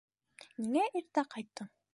Ниңә иртә ҡайттың?